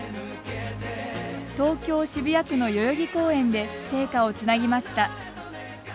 東京・渋谷区の代々木公園で聖火をつなぎました。